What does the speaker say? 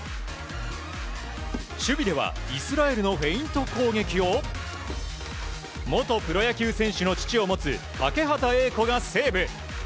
守備ではイスラエルのフェイント攻撃を元プロ野球選手の父を持つ欠端瑛子がセーブ。